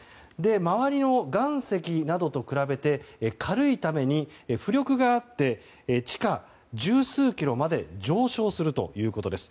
周りの岩石などと比べて軽いために浮力があって、地下十数キロまで上昇するということです。